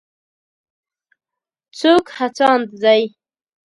څوک هڅاند دی.